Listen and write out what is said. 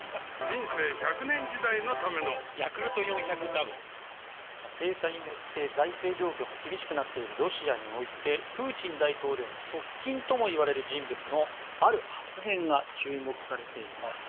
今、ロシアは国内でも新たな動きを見せ制裁によって財政状況が厳しくなっているロシアにおいてプーチン大統領の側近ともいわれる人物のある発言が注目されています。